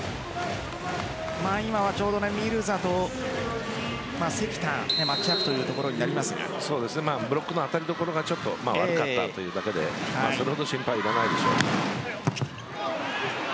今は、ミルザと関田マッチアップというところにブロックの当たりどころがちょっと悪かったというだけでそれほど心配いらないでしょう。